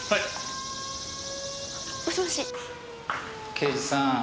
刑事さん。